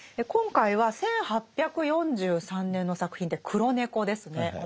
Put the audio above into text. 今回は１８４３年の作品で「黒猫」ですね。